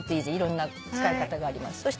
いろんな使い方があります。